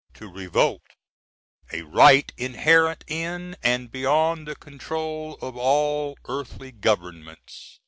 to revolt a right inherent in & beyond the control of all earthly govern^ts.